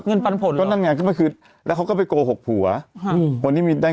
เงินปันผลเหรอคือแล้วเขาก็ไปโกหกผัวคนที่มีแต้ง